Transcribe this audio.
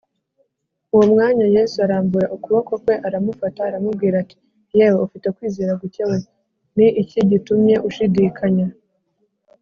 ” uwo mwanya yesu arambura ukuboko kwe aramufata, aramubwira ati, “yewe ufite kwizera guke we, ni iki gitumye ushidikanya?